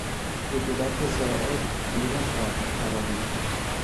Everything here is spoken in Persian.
رطوبت زائد بیرون خواهد تراوید.